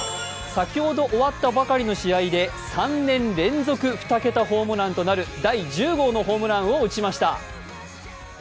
先ほど終わったばかりの試合で３年連続２桁ホームランとなる第１０号のホームランを打ちました。